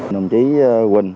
đồng chí quỳnh